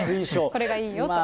これがいいよと。